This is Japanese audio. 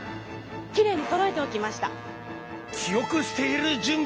きれいにそろえておきました。